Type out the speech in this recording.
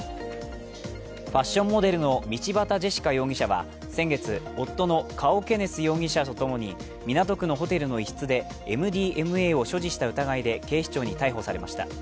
ファッションモデルの道端ジェシカ容疑者は先月、夫のカオ・ケネス容疑者とともに港区のホテルの一室でＭＤＭＡを所持した疑いで警視庁に逮捕されました。